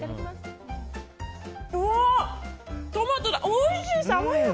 おいしい！